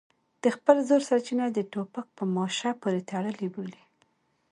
د خپل زور سرچینه د ټوپک په ماشه پورې تړلې بولي.